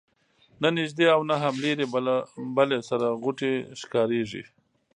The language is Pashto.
نه نیژدې او نه هم لیري بله سره غوټۍ ښکاریږي